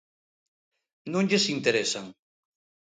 Non lles interesan.